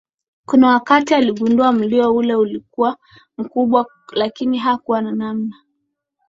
Kuna wakati aligundua mlio ule ulikuwa mkubwa lakini hakuwa na namna